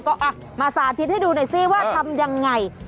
ก็มาสาธิตให้ดูหน่อยซิว่าทำยังไง